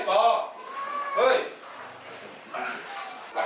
ปลอบเลยปลอบ